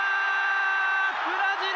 ブラジル